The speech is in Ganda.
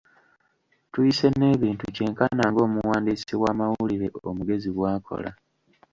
Tuyise n'ebintu kyenkana ng'omuwandisi w'amawulire omugezi bw'akola.